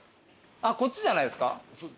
こっちじゃないですか？